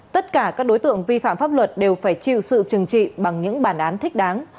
tất cả các đối tượng vi phạm pháp luật đều phải chịu sự trừng trị bằng những bản án thích đáng